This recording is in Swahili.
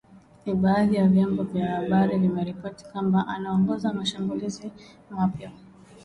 Na baadhi ya vyombo vya habari vimeripoti kwamba anaongoza mashambulizi mapya.